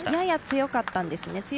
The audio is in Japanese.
やや強かったんですね。